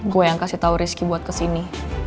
gue yang kasih tahu rizky buat kesini